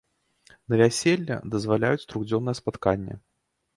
На вяселле дазваляюць трохдзённае спатканне.